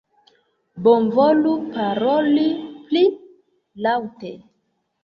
Bonvolu paroli pli laŭte!